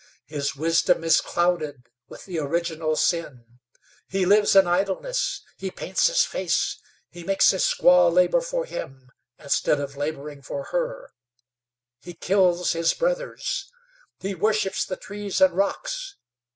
His wisdom is clouded with the original sin. He lives in idleness; he paints his face; he makes his squaw labor for him, instead of laboring for her; he kills his brothers. He worships the trees and rocks.